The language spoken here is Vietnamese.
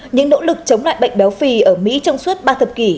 những nỗ lực chống lại bệnh béo phì ở mỹ trong suốt ba thập kỷ